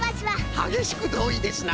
はげしくどういですな！